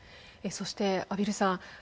そして畔蒜さん。